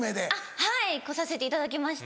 はい来させていただきました。